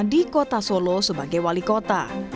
di kota solo sebagai wali kota